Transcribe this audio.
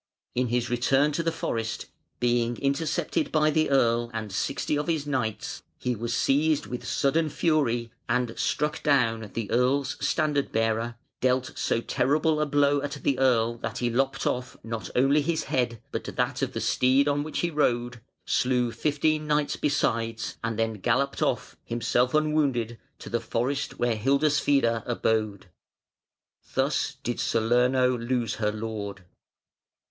In his return to the forest, being intercepted by the Earl and sixty of his knights, he was seized with sudden fury, and struck down the Earl's standard bearer, dealt so terrible a blow at the Earl that he lopped off not only his head but that of the steed on which he rode, slew fifteen knights besides, and then galloped off, himself unwounded, to the forest where Hildeswide abode. Thus did Salerno lose her lord.